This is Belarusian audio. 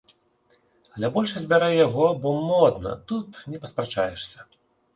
Але большасць бярэ яго, бо модна, тут не паспрачаешся.